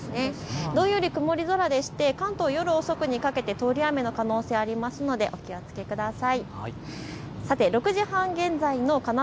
どんより曇り空でして、関東は夜にかけて通り雨の可能性がありますのでお気をつけください。